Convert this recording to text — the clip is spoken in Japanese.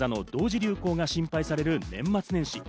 流行が心配される年末年始。